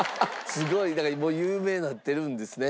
すごいだからもう有名になってるんですね。